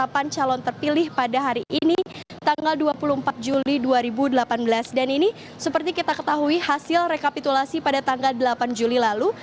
pasangan calon terpilih pada hari ini tanggal dua puluh empat juli dua ribu delapan belas dan ini seperti kita ketahui hasil rekapitulasi pada tanggal delapan juli lalu